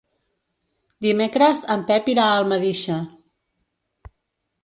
Dimecres en Pep irà a Almedíxer.